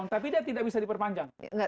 tapi dia tidak bisa diperpanjang